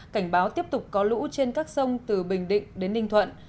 cảnh báo tiếp tục có lũ trên các sông từ bình định đến ninh thuận